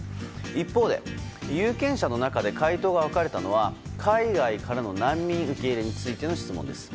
一方で有権者の中で回答が分かれたのは海外からの難民受け入れについての質問です。